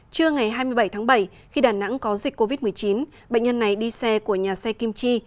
trưa ngày hai mươi bảy tháng bảy khi đà nẵng có dịch covid một mươi chín bệnh nhân này đi xe của nhà xe kim chi